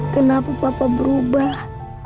kenapa papa berubah